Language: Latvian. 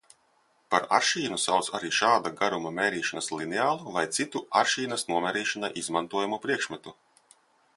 Par aršīnu sauc arī šāda garuma mērīšanas lineālu vai citu aršīnas nomērīšanai izmantojamu priekšmetu.